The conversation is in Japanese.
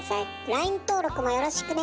ＬＩＮＥ登録もよろしくね。